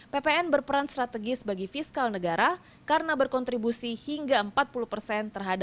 ppn berperan strategis bagi fiskal negara karena berkontribusi hingga ke keuntungan